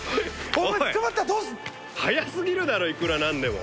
早過ぎるだろいくら何でも。